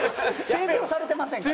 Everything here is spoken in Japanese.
整備をされてませんから。